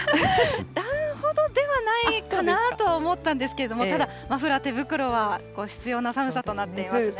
ダウンほどではないかなとは思ったんですけど、ただ、マフラー、手袋は必要な寒さとなっていますね。